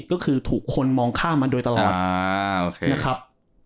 ก็คือถูกคนมองข้ามันโดยตลอด